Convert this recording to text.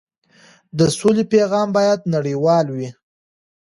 د سولې پیغام باید نړیوال وي.